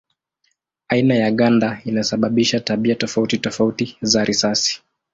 Aina ya ganda inasababisha tabia tofauti tofauti za risasi.